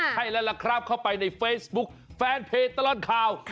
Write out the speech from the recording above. ใช่แล้วล่ะครับเข้าไปในเฟซบุ๊คแฟนเพจตลอดข่าว